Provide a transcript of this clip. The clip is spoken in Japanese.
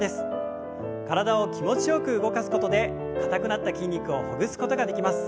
体を気持ちよく動かすことで硬くなった筋肉をほぐすことができます。